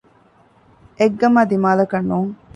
އެއްގަމާ ދިމާލަކަށް ނޫން